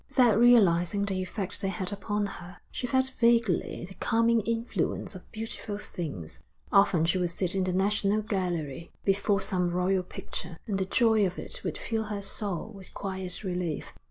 Without realising the effect they had upon her, she felt vaguely the calming influence of beautiful things; often she would sit in the National Gallery before some royal picture, and the joy of it would fill her soul with quiet relief.